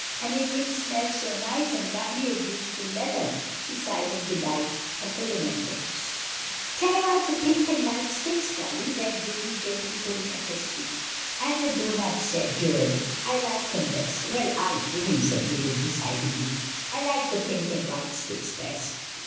And it did smell so nice and lovely of beautiful leather;" she sighed in delight at the remembrance. "Tell about the pink and white sticks, Polly," begged Davie, pulling gently at her sleeve. "And the doughnuts," said Joel; "I liked them best." "Well, I didn't," said David decidedly; "I liked the pink and white sticks best."